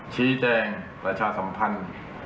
ชี้แจงประชาสัมพันธ์